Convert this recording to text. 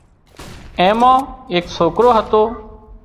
اين مان ايڪ سوڪرو هتو